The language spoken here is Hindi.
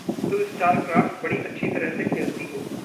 तुम स्टारक्राफ़्ट बड़ी अच्छी तरह से खेलती हो।